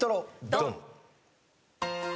ドン！